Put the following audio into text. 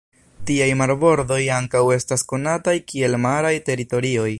Tiaj marbordoj ankaŭ estas konataj kiel maraj teritorioj.